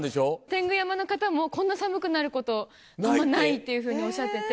天狗山の方もこんな寒くなることあんまないっていうふうにおっしゃってて。